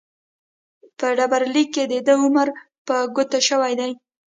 په ډبرلیک کې دده عمر په ګوته شوی دی.